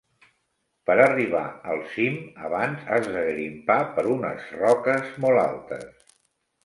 Per arribar al cim, abans has de grimpar per unes roques molt altes.